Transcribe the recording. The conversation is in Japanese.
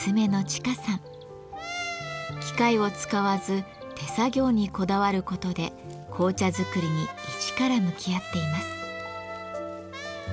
機械を使わず手作業にこだわることで紅茶作りに一から向き合っています。